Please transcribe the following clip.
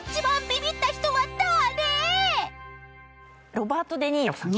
ロバート・デ・ニーロさん。